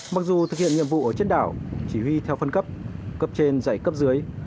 mặc dù thực hiện nhiệm vụ ở trên đảo chỉ huy theo phân cấp cấp trên dạy cấp dưới